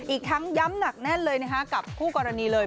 อีกทั้งย้ำหนักแน่นเลยนะคะกับคู่กรณีเลย